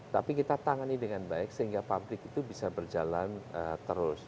tapi kita tangani dengan baik sehingga pabrik itu bisa berjalan terus